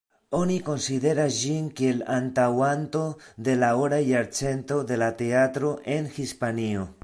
Oni konsideras ĝin kiel antaŭanto de la ora jarcento de la teatro en Hispanio.